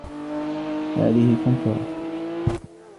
هذه كمثرى